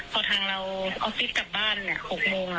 พอทางเราออฟฟิศกลับบ้าน๖โมง